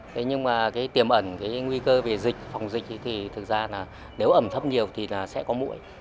thế nhưng mà cái tiềm ẩn cái nguy cơ về dịch phòng dịch thì thực ra là nếu ẩm thấp nhiều thì là sẽ có mũi